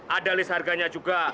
ada list harganya juga